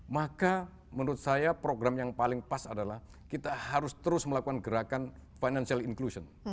maka menurut saya program yang paling pas adalah kita harus terus melakukan gerakan financial inclusion